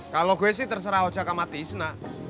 kalau gue sih terserah ojek sama tisna